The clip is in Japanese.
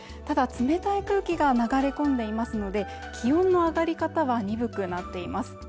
ただ冷たい空気が流れ込んでいますので気温の上がり方は鈍くなっています